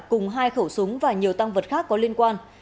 cùng hai khẩu súng và nhiều tăng vật khác có liên quan